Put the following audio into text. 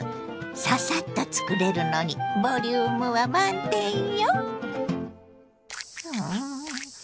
ササッと作れるのにボリュームは満点よ。